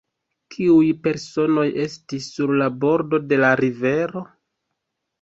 Kiuj personoj estis sur la bordo de la rivero?